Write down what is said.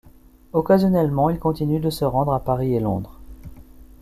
Occasionnellement il continue de se rendre à Paris et Londres.